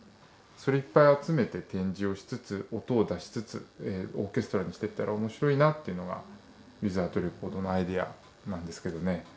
それいっぱい集めて展示をしつつ音を出しつつオーケストラにしていったら面白いなっていうのが「ｗｉｔｈｏｕｔｒｅｃｏｒｄｓ」のアイデアなんですけどね。